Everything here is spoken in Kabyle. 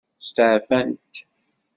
Steɛfant.